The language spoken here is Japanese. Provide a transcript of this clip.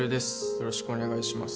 よろしくお願いします